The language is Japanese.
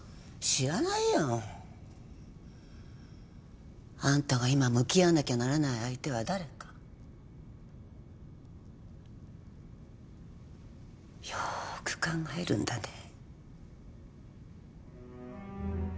知らないよ。あんたが今向き合わなきゃならない相手は誰かよーく考えるんだね。